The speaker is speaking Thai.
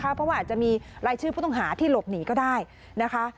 เพราะว่าอาจจะมีรายชื่อผู้ต้องหาที่หลบหนีก็ได้นะคะ